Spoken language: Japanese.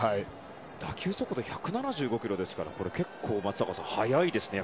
打球速度１７６キロですから速いですね。